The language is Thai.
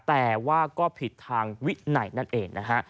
แต่ว่าก็ผิดทางวิไหนนั่นเอง